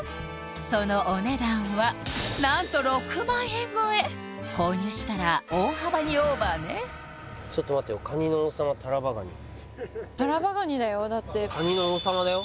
そのお値段は何と６万円超え購入したら大幅にオーバーねちょっと待てよ「カニの王様タラバガニ」タラバガニだよだってカニの王様だよ